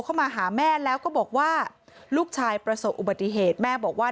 เข้ามาหาแม่แล้วก็บอกว่าลูกชายประสบอุบัติเหตุแม่บอกว่า